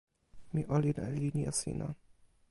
mi olin e linja sina.